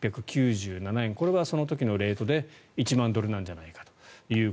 これはその時のレートで１万ドルなんじゃないかと。